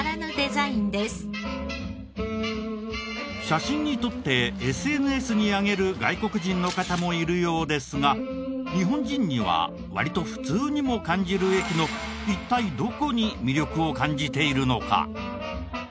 写真に撮ってＳＮＳに上げる外国人の方もいるようですが日本人には割と普通にも感じる駅の一体どこに魅力を感じているのか？